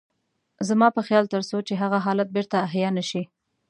زما په خيال تر څو چې هغه حالت بېرته احيا نه شي.